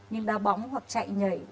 nhưng đa bóng hoặc chạy nhảy